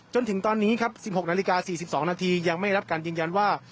จนถึงตอนนี้ครับสิบหกนาฬิกาสี่สิบสองนาทียังไม่รับการยืนยันว่า